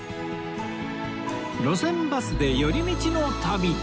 『路線バスで寄り道の旅』